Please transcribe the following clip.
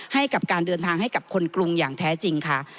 ให้กับการเดินทางให้กับคนกรุงอย่างแท้จริงค่ะ